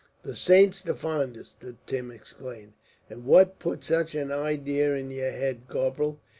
"The saints defind us!" Tim exclaimed; "and what put such an idea in yer head, Corporal?